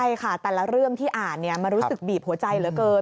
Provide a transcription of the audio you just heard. ใช่ค่ะแต่ละเรื่องที่อ่านมันรู้สึกบีบหัวใจเหลือเกิน